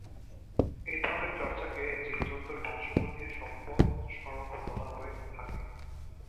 এধরনের চর্চাকে জীব-জন্তুর বংশগতির সম্পদ সংরক্ষণ বলা হয়ে থাকে।